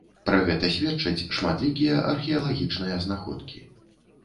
Пра гэта сведчаць шматлікія археалагічныя знаходкі.